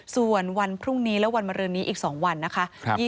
ส่วนวันพรุ่งนี้และวันมาเรือนนี้อีก๒วันนะคะ